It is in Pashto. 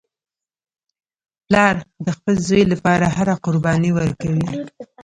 پلار د خپل زوی لپاره هره قرباني ورکوي